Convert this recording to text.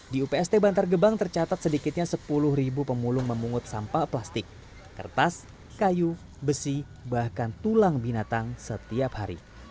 di upst bantar gebang tercatat sedikitnya sepuluh pemulung memungut sampah plastik kertas kayu besi bahkan tulang binatang setiap hari